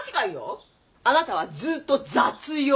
あなたはずっと雑用。